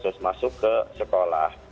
terus masuk ke sekolah